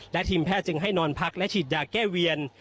และทีมแพทย์จึงให้นอนพักและฉีดยาแก้เวียน